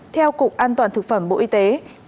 theo cục an toàn thực phẩm bộ y tế